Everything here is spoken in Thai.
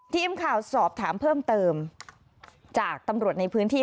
ทีมข่าวสอบถามเพิ่มเติมจากตำรวจในพื้นที่